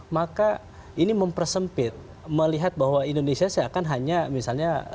maka ini mempersempit melihat bahwa indonesia seakan hanya misalnya